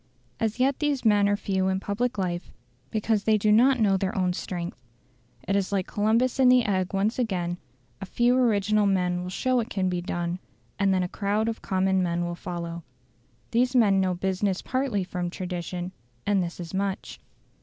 As yet these men are few in public life, because they do not know their own strength. It is like Columbus and the egg once again; a few original men will show it can be done, and then a crowd of common men will follow. These men know business partly from tradition, and this is much.